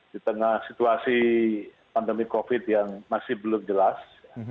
di tengah situasi pandemi covid yang masih belum jelas